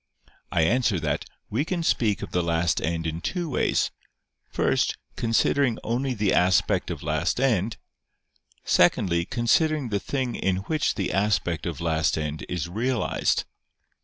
I answer that, We can speak of the last end in two ways: first, considering only the aspect of last end; secondly, considering the thing in which the aspect of last end is realized.